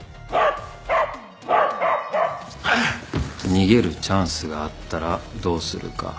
逃げるチャンスがあったらどうするか。